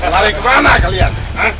lari ke mana kalian